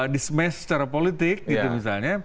disemesh secara politik gitu misalnya